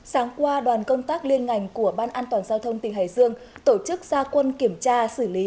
sáng qua đoàn công tác liên ngành của ban an toàn giao thông tỉnh hải dương tổ chức gia quân kiểm tra xử lý